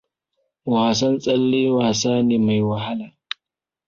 Wasan tsalle wasa ne mai wahala.